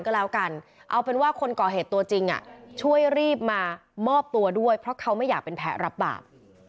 ก็แล้วกันเอาเป็นว่าคนก่อเหตุตัวจริงช่วยรีบมามอบตัวด้วยเพราะเขาไม่อยากเป็นแพ้รับบาป